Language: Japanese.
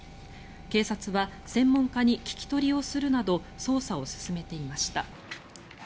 警察は専門家に聞き取りをするなど捜査を進めていました。